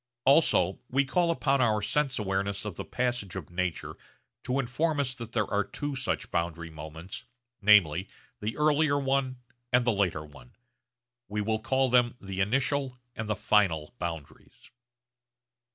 Also we call upon our sense awareness of the passage of nature to inform us that there are two such boundary moments, namely the earlier one and the later one. We will call them the initial and the final boundaries.